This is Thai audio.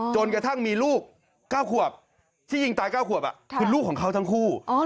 จนกระทั่งมีลูก๙ขวบที่ยิงตาย๙ขวบคือลูกของเขาทั้งคู่